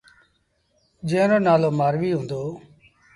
جݩهݩ رو نآلو مآروي هُݩدو۔